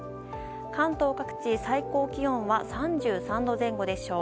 関東各地、最高気温は３３度前後でしょう。